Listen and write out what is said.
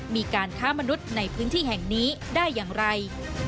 มีการค้ามนุษย์ในพื้นที่แห่งนี้ได้อย่างไร